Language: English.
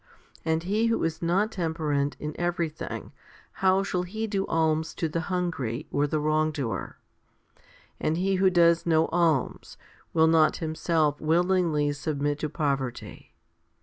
And he who is not temperate in everything, how shall he do alms to the hungry or the wrongdoer ? And he who does no alms, will not himself willingly submit to poverty.